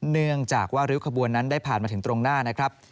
เนื่องจากว่าริ้วขบวนนั้นได้ผ่านมาถึงตรงหน้านะครับ